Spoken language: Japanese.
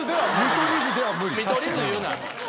見取り図言うな。